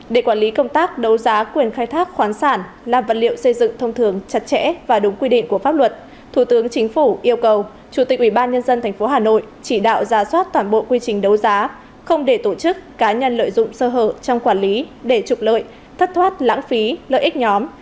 để quản lý công tác đấu giá quyền khai thác khoán sản là vật liệu xây dựng thông thường chặt chẽ và đúng quy định của pháp luật thủ tướng chính phủ yêu cầu chủ tịch ubnd tp hà nội chỉ đạo ra soát toàn bộ quy trình đấu giá không để tổ chức cá nhân lợi dụng sơ hở trong quản lý để trục lợi thất thoát lãng phí lợi ích nhóm